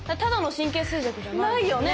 ないよね。